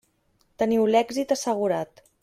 Teniu l'èxit assegurat.